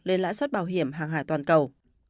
lên lãi suất bảo hiểm hàng hải toàn cầu